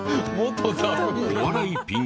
お笑いピン